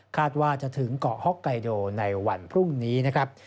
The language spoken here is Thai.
ว่าจะถึงเกาะฮ็อกไกโดในวันพรุ่งนี้นะครับ